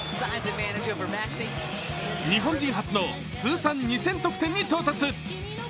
日本人初の通算２０００得点に到達。